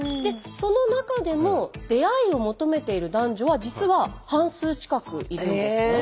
その中でも出会いを求めている男女は実は半数近くいるんですね。